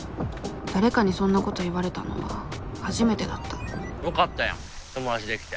誰かにそんなこと言われたのは初めてだったよかったやん友達できて。